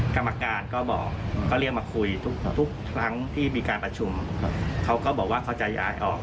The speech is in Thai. กรรมการก็บอกก็เรียกมาคุยทุกครั้งที่มีการประชุมเขาก็บอกว่าเขาจะย้ายออก